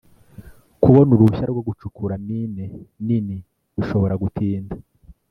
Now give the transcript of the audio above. kubona uruhushya rwo gucukura mine nini bishobora gutinda